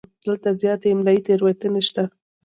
دلته زیاتې املایي تېروتنې شته.